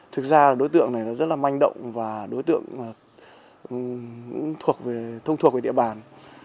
thực ra đối tượng này rất là manh động và đối tượng thông thuộc về địa bàn